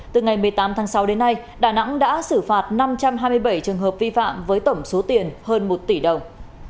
từ ngày một mươi tám tháng sáu đến nay đà nẵng đã xử phạt năm trăm hai mươi bảy trường hợp vi phạm với tổng số tiền hơn một tỷ đồng